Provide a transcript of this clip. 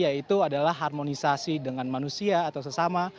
yaitu adalah harmonisasi dengan manusia atau sesama